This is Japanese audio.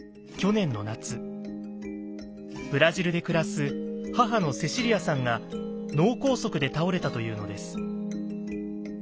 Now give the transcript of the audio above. ブラジルで暮らす母のセシリアさんが脳梗塞で倒れたというのです。